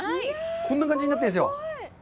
こんな感じになってるんですよ。